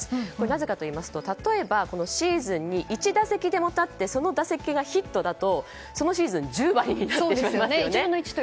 なぜかといいますと例えば、シーズンに１打席でも立ってその打席がヒットだとそのシーズンは１０割になってしまいますよね。